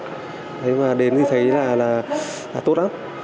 thế mà đến như thế là là tốt lắm